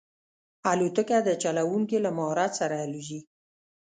الوتکه د چلونکي له مهارت سره الوزي.